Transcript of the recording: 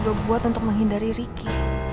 biar gua bisa nolak permintaan riki